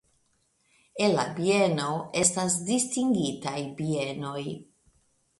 El la bieno estas distingitaj bienoj.